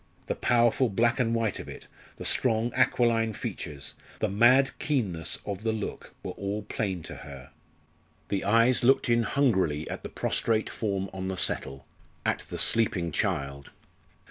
the powerful black and white of it the strong aquiline features the mad keenness of the look were all plain to her. The eyes looked in hungrily at the prostrate form on the settle at the sleeping child.